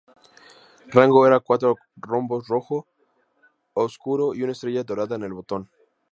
Rango eran cuatro rombos rojo oscuro y una estrella dorada en el botón.